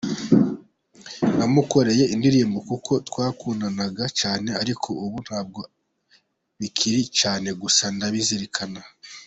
Namukoreye indirimbo kuko twakundanaga cyane ariko ubu ntabwo bikiri cyane gusa ndabizirikana”.